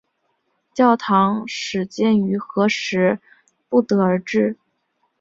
教堂始建于何时不得而知。